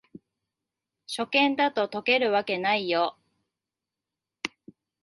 初見だと解けるわけないよ